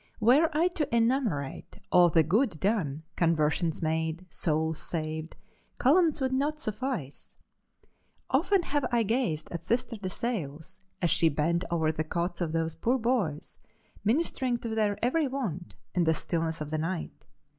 "Were I to enumerate all the good done, conversions made, souls saved, columns would not suffice. Often have I gazed at Sister De Sales, as she bent over the cots of those poor boys, ministering to their every want, in the stillness of the night.